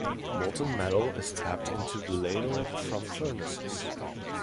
Molten metal is tapped into the ladle from furnaces.